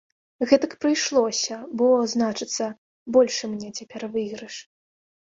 Гэтак прыйшлося, бо, значыцца, большы мне цяпер выйгрыш.